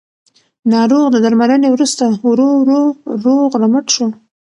ناروغ د درملنې وروسته ورو ورو روغ رمټ شو